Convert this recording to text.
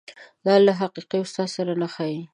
دا له حقیقي استاد سره نه ښايي.